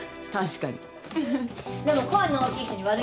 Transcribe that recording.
確かに。